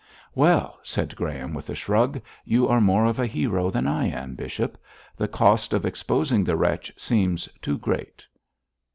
'Well,' said Graham, with a shrug, 'you are more of a hero than I am, bishop. The cost of exposing the wretch seems too great.'